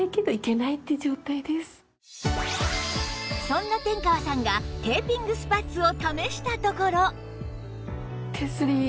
そんな天川さんがテーピングスパッツを試したところ